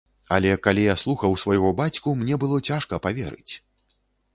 Але калі я слухаў свайго бацьку, мне было цяжка паверыць!